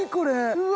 うわ！